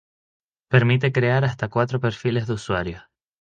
Permite crear hasta cuatro perfiles de usuario.